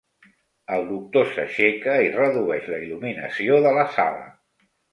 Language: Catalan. El doctor s'aixeca i redueix la il·luminació de la sala.